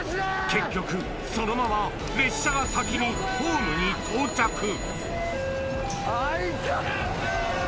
結局そのまま列車が先にホームに到着開いた。